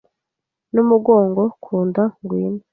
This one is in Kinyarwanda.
Numugongo ku nda ngwino